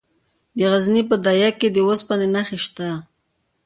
د غزني په ده یک کې د اوسپنې نښې شته.